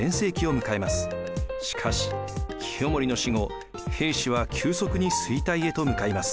しかし清盛の死後平氏は急速に衰退へと向かいます。